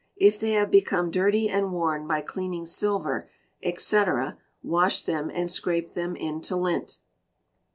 If they have become dirty and worn by cleaning silver, &c., wash them and scrape them into lint.